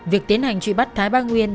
việc tiến hành trụi bắt thái bang nguyên